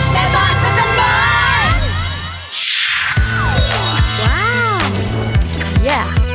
แม่บาทพระช่วยโบย